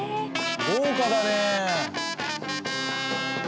豪華だね。